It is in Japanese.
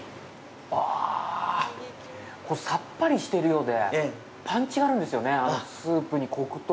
ああ、さっぱりしてるようでパンチがあるんですよね、スープにコクと。